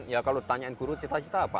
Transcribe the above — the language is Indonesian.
ya kalau ditanyain guru cita cita apa